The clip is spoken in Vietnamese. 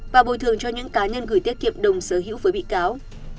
và bồi thường cho những cá nhân gửi tiết kiệm đồng sở hữu với bị cáo